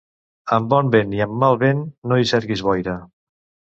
Amb bon vent i amb mal vent, no hi cerquis boira.